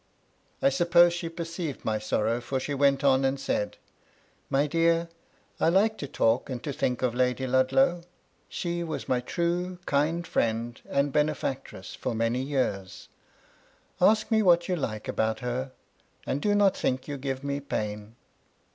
I suppose she perceived my sorrow, for she went on and said, ^ My dear, I like to talk and to think of Lady Lud low: she was my true, kind fiiend and benefactress for many years ; ask me what you like about her, and do not think you give me pain."